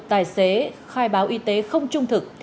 tài xế khai báo y tế không trung thực